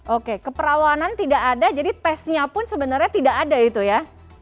oke keperawanan tidak ada jadi tesnya pun sebenarnya tidak ada itu ya